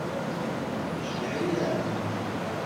Ceyyeɛ-iyi ar dina.